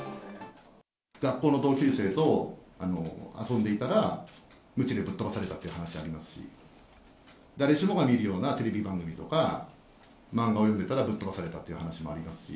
学校の同級生と遊んでいたら、むちでぶっ飛ばされたという話ありますし、誰しもが見るようなテレビ番組とか漫画を読んでたら、ぶっ飛ばされたという話ありますし。